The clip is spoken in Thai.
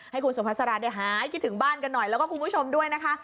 ให้คุณสุภาษาได้หายคิดถึงบ้านกันหน่อยแล้วก็คุณผู้ชมด้วยนะคะ